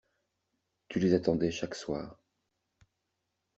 Tu les attendais chaque soir.